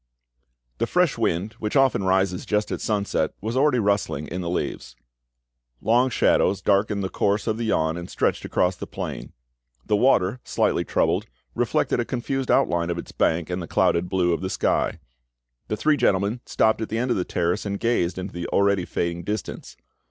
The fresh wind which often rises just at sunset was already rustling in the leaves; long shadows darkened the course of the Yonne and stretched across the plain; the water, slightly troubled, reflected a confused outline of its banks and the clouded blue of the sky. The three gentlemen stopped at the end of the terrace and gazed into the already fading distance.